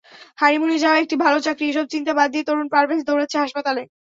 হানিমুনে যাওয়া, একটি ভালো চাকরি—এসব চিন্তা বাদ দিয়ে তরুণ পারভেজ দৌড়াচ্ছেন হাসপাতালে।